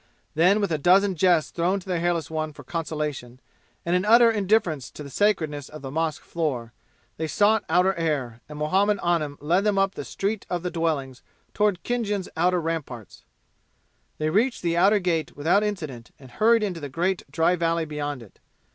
Then, with a dozen jests thrown to the hairless one for consolation, and an utter indifference to the sacredness of the mosque floor, they sought outer air, and Muhammad Anim led them up the Street of the Dwellings toward Khinjan's outer ramparts. They reached the outer gate without incident and hurried into the great dry valley beyond it.